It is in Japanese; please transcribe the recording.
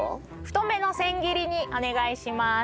太めの千切りにお願いします。